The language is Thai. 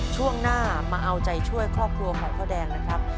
ช่วงหน้ามาเอาใจช่วยครอบครัวของพ่อแดงนะครับ